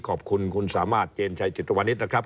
ขอบคุณคุณสามารถเจนชัยจิตวนิษฐ์นะครับ